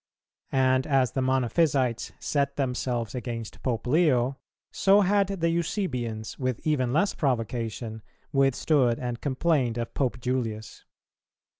And as the Monophysites set themselves against Pope Leo, so had the Eusebians, with even less provocation, withstood and complained of Pope Julius.